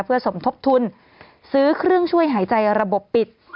เพื่อสมทบทุนซื้อเครื่องช่วยหายใจระบบปิด